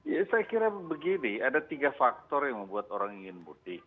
ya saya kira begini ada tiga faktor yang membuat orang ingin mudik